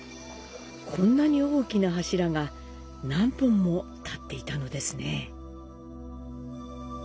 こんなに大きな柱が何本も立っていたのですね。